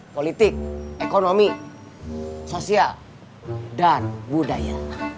politik ekonomi sosial dan budaya